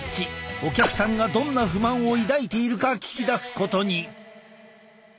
お客さんがどんな不満を抱いているか聞き出すことに。